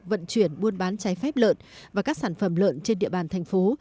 vận chuyển buôn bán trái phép lợn và các sản phẩm lợn trên địa bàn thành phố